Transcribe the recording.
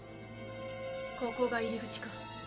ここが入り口か。